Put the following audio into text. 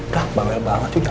dah bawel banget juga